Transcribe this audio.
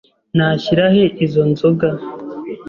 Nashyira he izo nzoga?